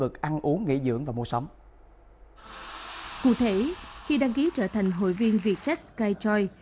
cụ thể khi đăng ký trở thành hội viên vietjet skytri